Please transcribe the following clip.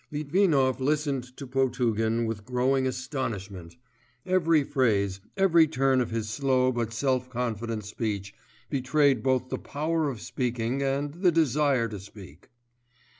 Litvinov listened to Potugin with growing astonishment: every phrase, every turn of his slow but self confident speech betrayed both the power of speaking and the desire to speak.